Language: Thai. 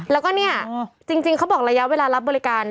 แล้วก็เนี่ยจริงเขาบอกระยะเวลารับบริการ